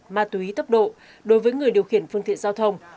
ma túy tốc độ đối với người điều khiển phương tiện giao thông